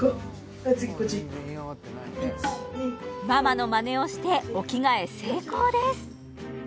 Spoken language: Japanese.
はい次こっちママのまねをしてお着替え成功です